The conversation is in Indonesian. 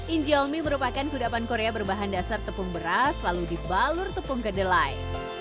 injelmi merupakan kudapan korea berbahan dasar tepung beras lalu dibalur tepung kedelai